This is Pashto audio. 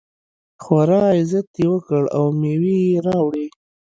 خورا عزت یې وکړ او مېوې یې راوړې.